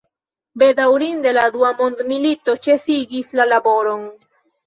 Bedaŭrinde la dua mondmilito ĉesigis la laboron.